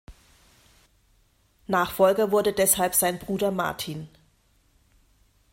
Nachfolger wurde deshalb sein Bruder Martin.